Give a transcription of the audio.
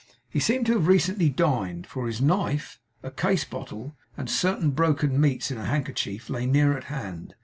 He seemed to have recently dined, for his knife, a casebottle, and certain broken meats in a handkerchief, lay near at hand.